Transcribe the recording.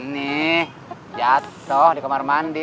nih jatoh di kamar mandi